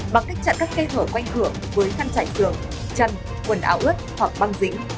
bằng cách chặn các cây thở quanh cửa với khăn chạy xường chăn quần áo ướt hoặc băng dĩ